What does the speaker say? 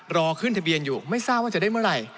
รอขึ้นทะเบียนอยู่ไม่ทราบว่าจะได้เมื่อไหร่